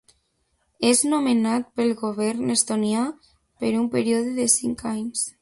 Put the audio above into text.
És nomenat pel govern estonià per un període de cinc anys.